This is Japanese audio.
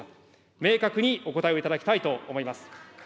明確にお答えをいただきたいと思います。